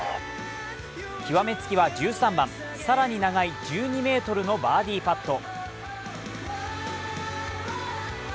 極めつけは１３番、更に長い１２ｍのバーディーパット。